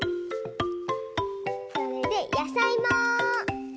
それでやさいも。